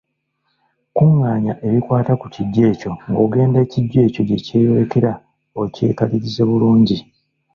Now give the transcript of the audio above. Kuŋŋaanya ebikwata ku kijjo ekyo ng’ogenda ekijjo ekyo gye kyeyolekera okyekalirize bulungi.